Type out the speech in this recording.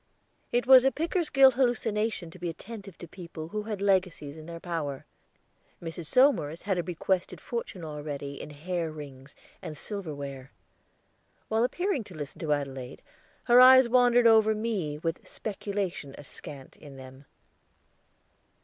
It was a Pickersgill hallucination to be attentive to people who had legacies in their power. Mrs. Somers had a bequested fortune already in hair rings and silver ware. While appearing to listen to Adelaide, her eyes wandered over me with speculation askant in them.